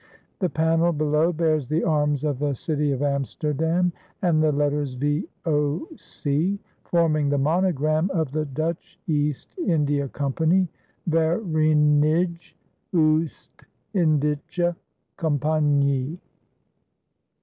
The panel below bears the arms of the City of Amsterdam and the letters V.O.C. forming the monogram of the Dutch East India Company Vereenigde Oost Indische Compagnie.